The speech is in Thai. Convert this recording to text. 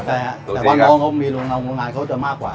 แต่ว่าโประโมงมีโรงงานเขาจะมากกว่า